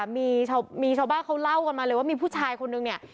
มีชาวบ้านเขาเล่ากันมาเลยว่ามีผู้ชายคนนึงเนี่ย